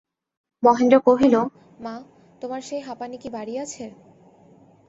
মহেন্দ্র কহিল, মা, তোমার সেই হাঁপানি কি বাড়িয়াছে।